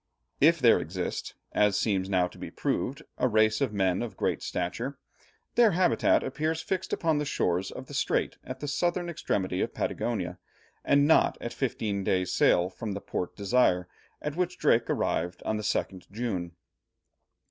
If there exist, as seems now to be proved, a race of men of great stature, their habitat appears fixed upon the shores of the Strait at the southern extremity of Patagonia, and not at fifteen days' sail from Port Desire, at which Drake arrived on the 2nd June.